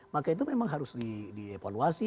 maka itu memang harus dievaluasi